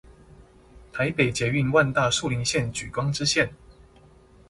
台北捷運萬大樹林線莒光支線